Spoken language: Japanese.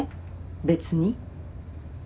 別に。